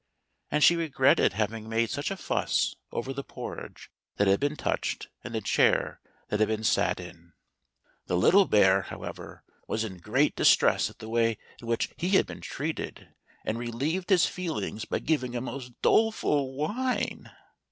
And she regretted having made such a fuss over the porridge that had been touched, and the chair that had been sat in. 120 THE THREE BEARS. The little bear, however, was in great distress at the way in which he had been treated, and relieved his feelings by giving a most doleful whine.